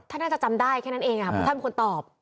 ท่านน่าจะจำได้แค่นั้นเองค่ะพี่ท่านควรตอบ